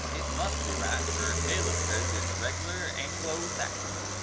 It must be right, fer Caleb sez it's reg'lar Anglo Saxon.